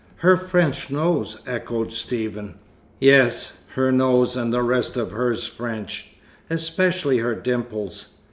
"Her French nose?" echoed Stephen. "Yes. Her nose and the rest of her's French, especially her dimples.